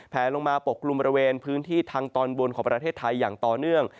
แผลลงมาปกกลุ่มบริเวณพื้นที่ทางตอนบนของประเทศไทยอย่างต่อเนื่อง